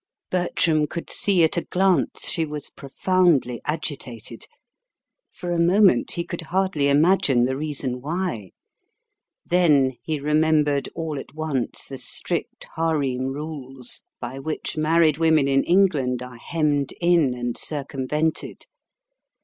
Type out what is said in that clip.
Bertram could see at a glance she was profoundly agitated. For a moment he could hardly imagine the reason why: then he remembered all at once the strict harem rules by which married women in England are hemmed in and circumvented.